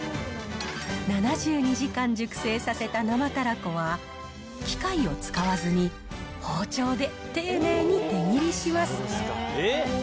７２時間熟成させた生たらこは、機械を使わずに、包丁で丁寧に手切りします。